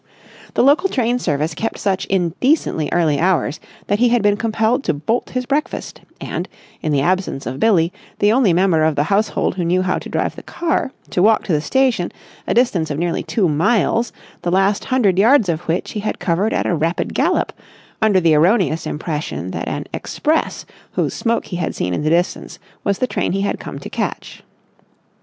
The local train service kept such indecently early hours that he had been compelled to bolt his breakfast, and, in the absence of Billie, the only member of the household who knew how to drive the car, to walk to the station, a distance of nearly two miles, the last hundred yards of which he had covered at a rapid gallop, under the erroneous impression that an express whose smoke he had seen in the distance was the train he had come to catch.